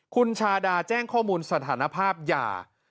คุณชาดาแจ้งข้อมูลสถานภาพหย่า